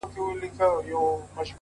نن ملا په خوله کي بيا ساتلی گاز دی-